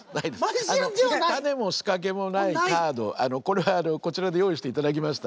種も仕掛けもないカードこれはこちらで用意していただきましたんで。